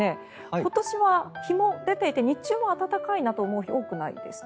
今年は日も出ていて日中も暖かいなと思う日多くないですか？